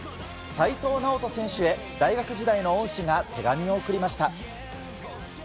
齋藤直人選手へ、大学時代の恩師が手紙を送りました。